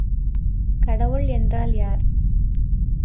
கடவுள் என்றால் யார்?